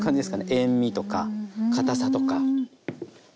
塩味とかかたさとか。